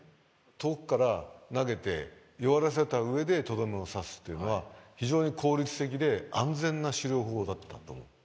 遠くから投げて弱らせた上でとどめを刺すっていうのは非常に効率的で安全な狩猟法だったと思う。